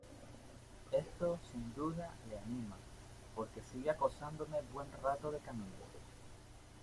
esto, sin duda , le anima , porque sigue acosándome buen rato de camino.